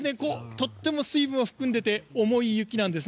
とっても水分を含んでて重い雪なんです。